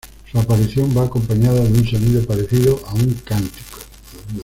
Su aparición va acompañada de un sonido parecido a un cántico.